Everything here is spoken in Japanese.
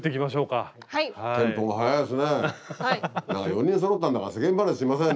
４人そろったんだから世間話しません？